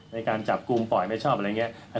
ในการจับกลุ่มปล่อยไม่ชอบอะไรอย่างนี้